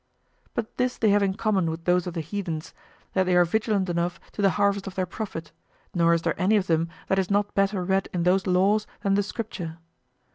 But this they have in common with those of the heathens, that they are vigilant enough to the harvest of their profit, nor is there any of them that is not better read in those laws than the Scripture.